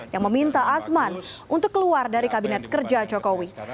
yang meminta asman untuk keluar dari kabinet kerja jokowi